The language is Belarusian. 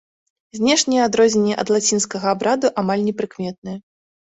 Знешнія адрозненні ад лацінскага абраду амаль непрыкметныя.